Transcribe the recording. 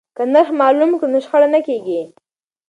که نرخ معلوم کړو نو شخړه نه کیږي.